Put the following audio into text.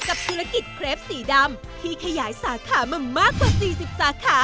กับธุรกิจเครปสีดำที่ขยายสาขามามากกว่า๔๐สาขา